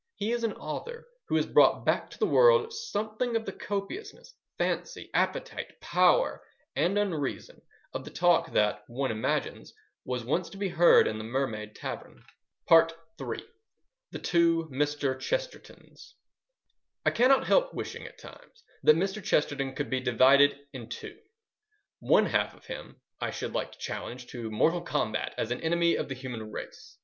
He is an author who has brought back to the world something of the copiousness, fancy, appetite, power, and unreason of the talk that, one imagines, was once to be heard in the Mermaid Tavern. 3. The Two Mr. Chestertons I cannot help wishing at times that Mr. Chesterton could be divided in two. One half of him I should like to challenge to mortal combat as an enemy of the human race.